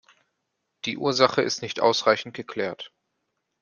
Die Ursache ist nicht ausreichend geklärt.